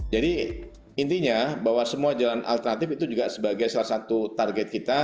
jadi intinya bahwa semua jalan alternatif itu juga sebagai salah satu target kita